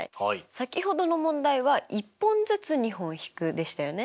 先ほどの問題は「１本ずつ２本引く」でしたよね。